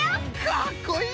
かっこいい！